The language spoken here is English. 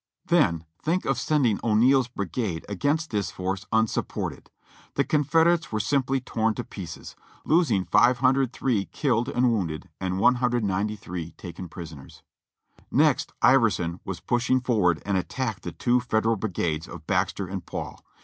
Then, think of sending O'Neal's brigade against this force un supported ! The Confederates were simply torn to pieces, losing 503 killed and wounded, and 193 taken prisoners. Next Iverson was pushed forward and attacked the two Fed eral brigades of Baxter and Paul.